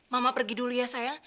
mama pergi dulu ya saya